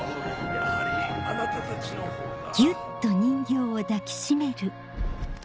やはりあなたたちのほうが。